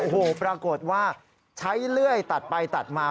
โอ้โหปรากฏว่าใช้เลื่อยตัดไปตัดมา